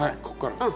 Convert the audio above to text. ここから？